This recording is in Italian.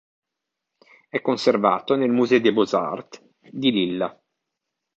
È conservato nel Musée des Beaux-Arts di Lilla.